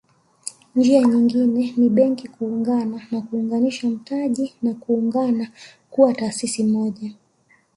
Njia nyingine ni Benki kuungana na kuunganisha mtaji na kuungana kuwa taasisi moja